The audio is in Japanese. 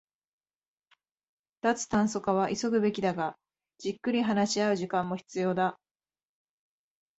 脱炭素化は急ぐべきだが、じっくり話し合う時間も必要だ